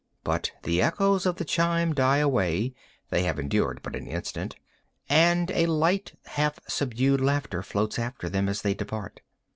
But the echoes of the chime die away—they have endured but an instant—and a light, half subdued laughter floats after them as they depart.